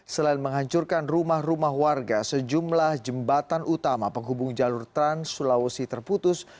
selain menghancurkan rumah rumah warga sejumlah jembatan utama penghubung jalur trans sulawesi terputus